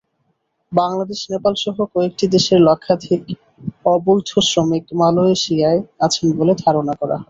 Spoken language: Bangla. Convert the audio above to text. বাংলাদেশ, নেপালসহ কয়েকটি দেশের লক্ষাধিক অবৈধ শ্রমিক মালয়েশিয়ায় আছেন বলে ধারণা করা হয়।